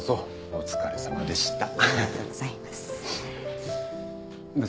お疲れさまでした。